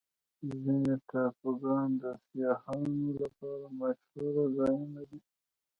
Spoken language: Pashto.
ځینې ټاپوګان د سیاحانو لپاره مشهوره ځایونه دي.